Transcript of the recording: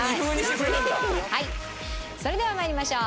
それでは参りましょう。